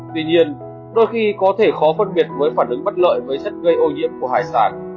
tuy nhiên đôi khi có thể khó phân biệt với phản ứng bất lợi với chất gây ô nhiễm của hải sản